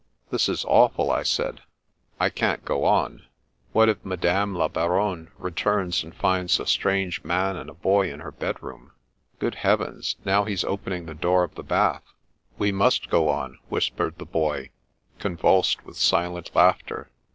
" This is awful," I said. " I can't go on. What if Madame la Baronne returns and finds a strange man and a boy in her bedroom? Good heavens, now he's opening the door of the bath !"" We must go on," whispered the Boy, convulsed with silent laughter.